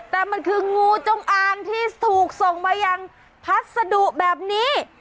แต่มันคืองูจงอางที่ถูกส่งมายังพัสดุแบบนี้